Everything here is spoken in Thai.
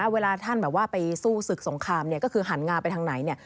เวลาท่านไปสู้ศึกสงคามก็คือหันงาไปทางไหน